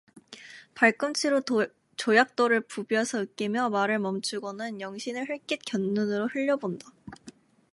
발꿈치로 조약돌을 부벼서 으깨며 말을 멈추고는 영신을 흘낏 곁눈으로 흘려본다.